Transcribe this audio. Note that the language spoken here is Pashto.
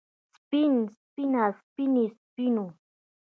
سپين سپينه سپينې سپينو